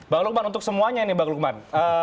pak lukman untuk semuanya ini pak lukman